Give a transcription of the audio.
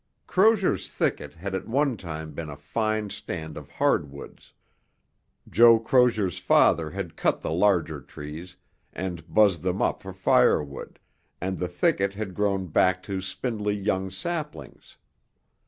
Crozier's thicket had at one time been a fine stand of hardwoods. Joe Crozier's father had cut the larger trees and buzzed them up for firewood, and the thicket had grown back to spindly young saplings.